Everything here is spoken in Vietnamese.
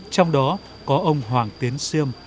trong đó có ông hoàng tiến siêm